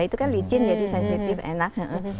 itu kan licin jadi sensitif enak